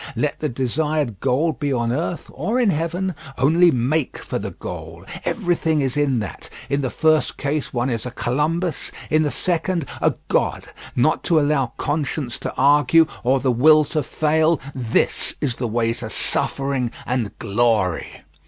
Let the desired goal be on earth or in heaven, only make for the goal. Everything is in that; in the first case one is a Columbus, in the second a god. Not to allow conscience to argue or the will to fail this is the way to suffering and glory.